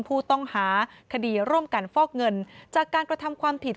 ผู้ต้องหาคดีร่วมกันฟอกเงินจากการกระทำความผิด